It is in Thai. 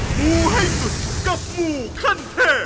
สวัสดีครับ